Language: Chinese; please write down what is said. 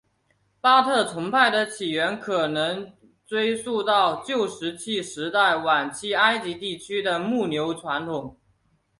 巴特崇拜的起源可能能追溯到旧石器时代晚期埃及地区的牧牛传统。